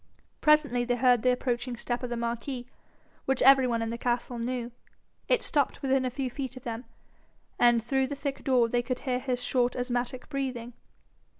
Presently they heard the approaching step of the marquis, which every one in the castle knew. It stopped within a few feet of them, and through the thick door they could hear his short asthmatic breathing.